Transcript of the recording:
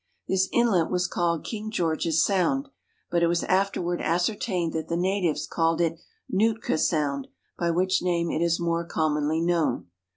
This inlet was called King George's Sound, but it was afterward ascertained that the natives called it Nootka Sound, by which name it is more com monly known.